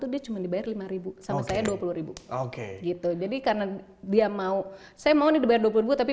dia cuman dibayar rp lima saya rp dua puluh oke gitu jadi karena dia mau saya mau dibayar rp dua puluh tapi